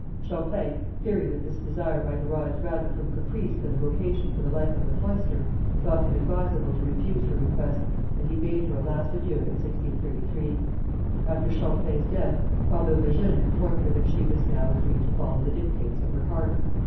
Champlain, fearing that this desire might arise rather from caprice than a vocation for the life of the cloister, thought it advisable to refuse her request, and he bade her a last adieu in 1633. After Champlain's death, Father Le Jeune informed her that she was now free to follow the dictates of her heart.